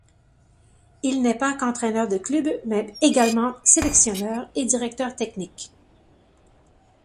Il n'est pas qu'entraîneur de clubs mais également Sélectionneur et Directeur Technique.